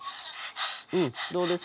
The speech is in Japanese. うんどうです？